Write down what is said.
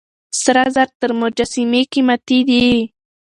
سره زر تر مجسمې قيمتي دي.